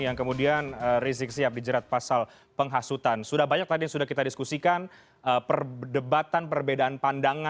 yang kemudian rizik syihab didapatkan